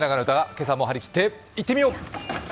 今日も張り切っていってみよう。